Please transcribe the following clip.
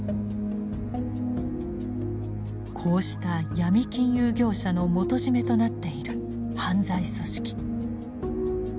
こうした闇金融業者の元締めとなっている犯罪組織。